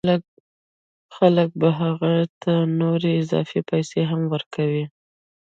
خلک به هغه ته نورې اضافه پیسې هم ورکوي